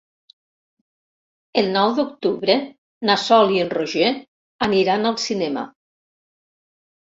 El nou d'octubre na Sol i en Roger aniran al cinema.